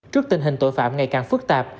trước tình hình tội phạm ngày càng phức tạp